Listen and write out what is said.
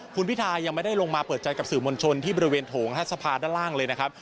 คุณพิทายังไม่ได้ลงมาเปิดใจกับสื่อมวลชนที่บริเวณโถงสภาด้านล่างเลยนะครับ